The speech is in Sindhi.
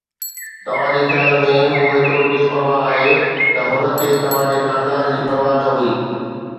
توهان جي خيال ۾، هو ايترو بي پرواهه آهي ته هن کي توهان جي خاندان جي پرواهه نه هئي